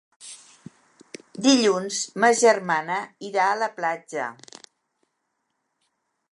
Dilluns ma germana irà a la platja.